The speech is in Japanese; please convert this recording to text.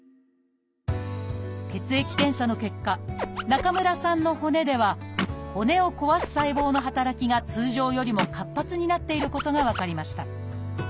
血液検査の結果中村さんの骨では骨を壊す細胞の働きが通常よりも活発になっていることが分かりました。